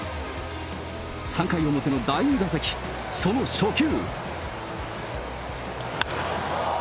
３回表の第２打席、その初球。